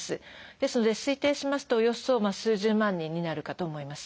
ですので推定しますとおよそ数十万人になるかと思います。